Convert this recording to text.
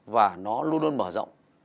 và nó luôn luôn mở rộng